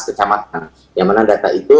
kecamatan yang mana data itu